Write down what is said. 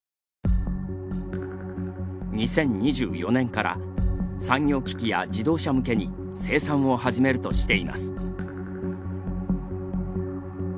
２０２４年から産業機器や自動車向けに生産を始めるとしています。